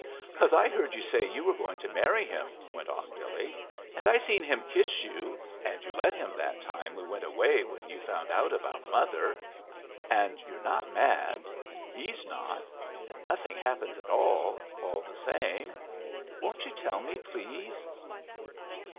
"Cause I heard you say you were going to marry him," went on Billy. "And I seen him kiss you and you let him that time we went away when you found out about mother. And you're not mad, and he's not, and nothing happens at all, all the same! Won't you tell me, please?"